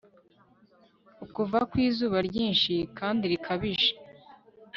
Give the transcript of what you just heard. ukuva kw'izuba ryinshi kandi rikabije